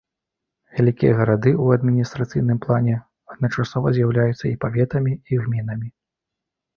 Вялікія гарады ў адміністрацыйным плане адначасова з'яўляюцца і паветамі, і гмінамі.